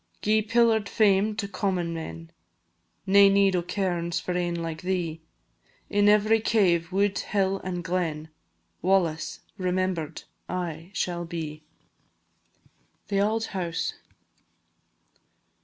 Gi'e pillar'd fame to common men, Nae need o' cairns for ane like thee; In every cave, wood, hill, and glen, "WALLACE" remember'd aye shall be. THE AULD HOUSE.